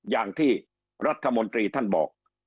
อย่างที่รัฐมนตรีท่านบอก